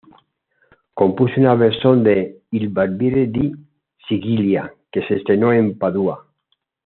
Compuso una versión de "Il Barbiere di Siviglia" que se estrenó en Padua.